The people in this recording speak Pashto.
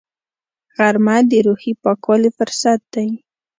غرمه د روحي پاکوالي فرصت دی